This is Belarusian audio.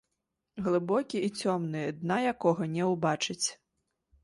Глыбокі і цёмны, дна якога не ўбачыць.